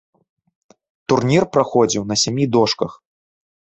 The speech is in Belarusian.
Турнір праходзіў на сямі дошках.